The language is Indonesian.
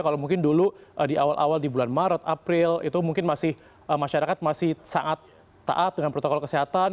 kalau mungkin dulu di awal awal di bulan maret april itu mungkin masih masyarakat masih sangat taat dengan protokol kesehatan